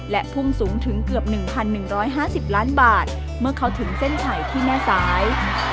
และพุ่งสูงถึงเกือบ๑๑๕๐ล้านบาทเมื่อเขาถึงเส้นไผ่ที่แม่สาย